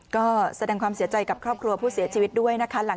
ก็แสดงความเสียใจกับครอบครัวผู้เสียชีวิตด้วยนะคะ